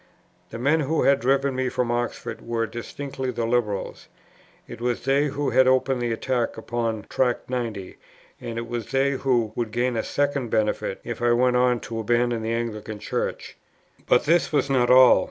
The men who had driven me from Oxford were distinctly the Liberals; it was they who had opened the attack upon Tract 90, and it was they who would gain a second benefit, if I went on to abandon the Anglican Church. But this was not all.